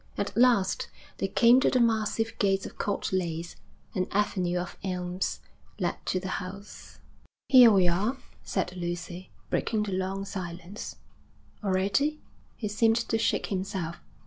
At last they came to the massive gates of Court Leys. An avenue of elms led to the house. 'Here we are,' said Lucy, breaking the long silence. 'Already?' He seemed to shake himself.